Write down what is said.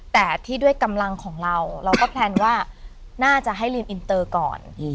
แต่ที่ด้วยกำลังของเราเราก็แพลนว่าน่าจะให้ลืมอินเตอร์ก่อน